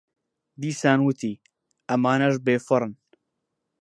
دیسان وتی: ئەمانەش بێفەڕن.